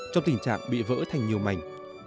trong tình trạng bị vỡ thành nhiều mảnh